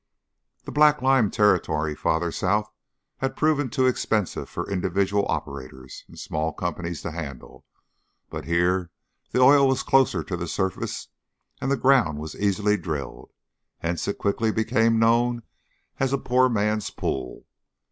The black lime territory farther south had proven too expensive for individual operators and small companies to handle, but here the oil was closer to the surface and the ground was easily drilled, hence it quickly became known as a poor man's pool.